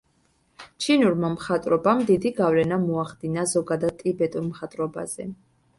ჩინურმა მხატვრობამ დიდი გავლენა მოახდინა ზოგადად ტიბეტურ მხატვრობაზე.